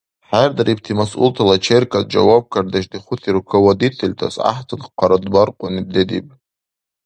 ХӀердарибти масъултала черкад жавабкардеш дихути руководительтас гӀяхӀцад хъарбаркьуни дедиб.